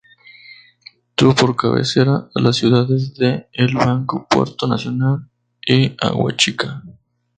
Tuvo por cabecera a las ciudades de El Banco, Puerto Nacional y Aguachica.